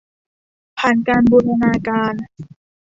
ผ่านการบูรณาการ